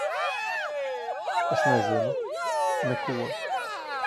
Es nezinu. Neko.